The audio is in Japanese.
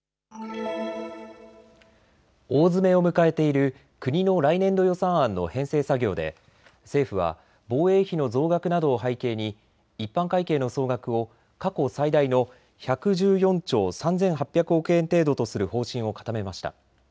大詰めを迎えている国の来年度予算案の編成作業で政府は防衛費の増額などを背景に一般会計の総額を過去最大の１１４兆３８００億円程度とする方針を固めました。